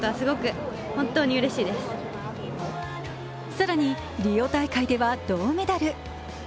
更にリオ大会では銅メダル。